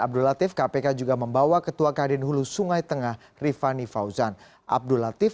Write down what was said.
abdul latif kpk juga membawa ketua kadin hulu sungai tengah rifani fauzan abdul latif